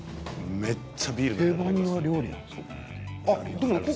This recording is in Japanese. めっちゃビールが。